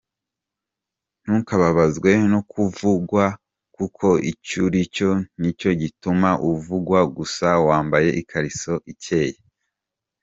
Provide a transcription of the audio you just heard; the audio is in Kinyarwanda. Ntukababazwe no kuvugwa kuko icyuricyo nicyo gituma uvugwa gusa wambaye ikariso icyeye.